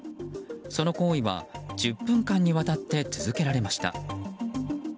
その行為は１０分間にわたって続けられました。